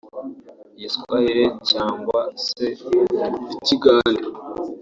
Igiswahili cyangwa se Ikigande